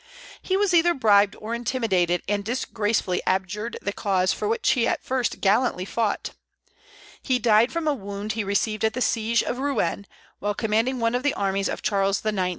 He was either bribed or intimidated, and disgracefully abjured the cause for which he at first gallantly fought. He died from a wound he received at the siege of Rouen, while commanding one of the armies of Charles IX.